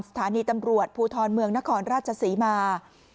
สถานีตำรวจภูทรเมืองนครราชศรีมา